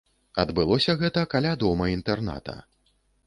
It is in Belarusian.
Адбылося гэта каля дома-інтэрната.